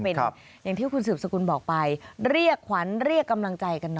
เป็นอย่างที่คุณสืบสกุลบอกไปเรียกขวัญเรียกกำลังใจกันหน่อย